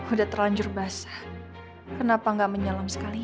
udah terlanjur basah kenapa gak menyelam sekalian